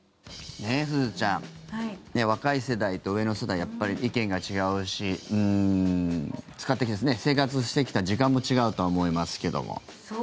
すずちゃん、若い世代と上の世代やっぱり意見が違うし生活してきた時間も違うとは思いますけども。